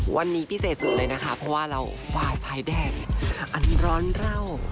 วันนี้พิเศษสุดเลยนะคะเพราะว่าเราฝ่ายชายแดนอันร้อนเล่า